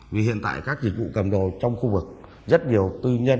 vì hiện tại các dịch vụ cầm đồ trong khu vực rất nhiều tư nhân